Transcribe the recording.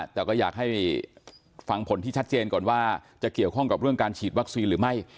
แต่ก็อยากให้ฟังผลที่ชัดเจนก่อนว่าจะเกี่ยวข้องกับเรื่องการฉีดวัคซีนหรือไม่